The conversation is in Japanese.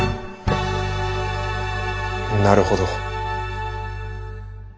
なるほど。